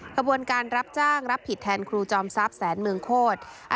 กระบวนการรับจ้างรับผิดแทนครูจอมทรัพย์แสนเมืองโคตร